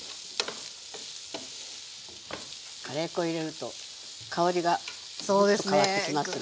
カレー粉入れると香りが変わってきますね。